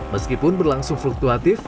meskipun berlangsung fluktuatif